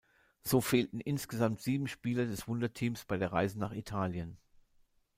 So fehlten insgesamt sieben Spieler des Wunderteams bei der Reise nach Italien.